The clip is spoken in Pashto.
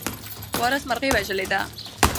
وارث مرغۍ وژلې ده.